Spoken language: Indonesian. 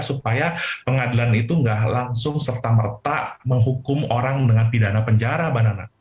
supaya pengadilan itu nggak langsung serta merta menghukum orang dengan pidana penjara mbak nana